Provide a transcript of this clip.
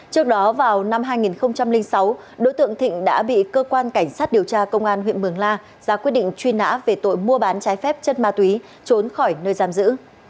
trước đó vào năm hai nghìn sáu đối tượng thịnh đã bị cơ quan cảnh sát điều tra công an huyện mường la ra quyết định truy nã về tội mua bán trái phép chất ma túy trốn khỏi nơi giam giữ